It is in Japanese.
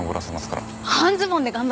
半ズボンで頑張ります。